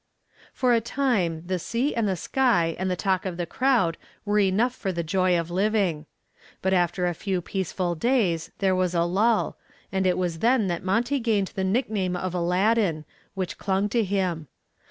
For a time the sea and the sky and the talk of the crowd were enough for the joy of living. But after a few peaceful days there was a lull, and it was then that Monty gained the nickname of Aladdin, which clung to him.